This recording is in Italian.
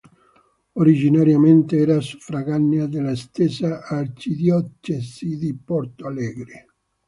Originariamente era suffraganea della stessa arcidiocesi di Porto Alegre.